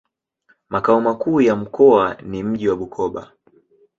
Makao makuu ya mkoa ni mji wa Bukoba.